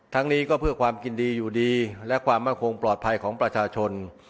นี้ก็เพื่อความกินดีอยู่ดีและความมั่นคงปลอดภัยของประชาชน